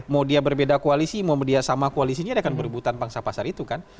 mau dia berbeda koalisi mau dia sama koalisinya dia akan berebutan pangsa pasar itu kan